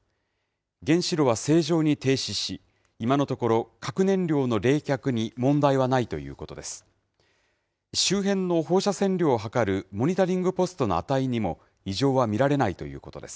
原子炉は正常に停止し、今のところ、核燃料の冷却に問題はないということです。